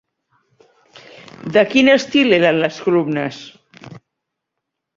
De quin estil eren les columnes?